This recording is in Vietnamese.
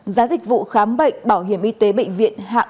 giá dịch vụ khám bệnh bảo hiểm y tế mới cao hơn khoảng một mươi